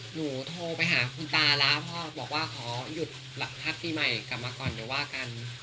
โทรไปหาคุณตาแล้วพ่อบอกว่าขอหยุดพักปีใหม่กลับมาก่อนเดี๋ยวว่ากัน